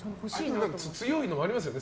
強いのありますよね。